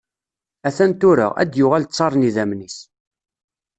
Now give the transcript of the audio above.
A-t-an tura, ad d-yuɣal ttaṛ n idammen-is.